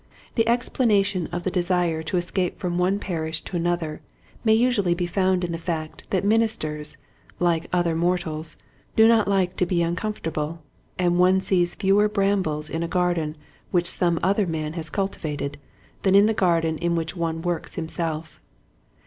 The explanation of the desire to escape from one parish to another may usually be found in the fact that ministers like other mortals do not like to be un comfortable, and one sees fewer brambles in a garden which some other man has cultivated than in the garden in which one works himself.